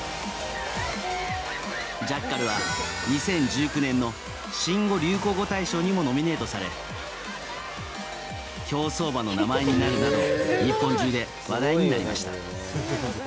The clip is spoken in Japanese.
ジャッカルは２０１９年の新語・流行語大賞にもノミネートされ競走馬の名前になるなど日本中で話題になりました。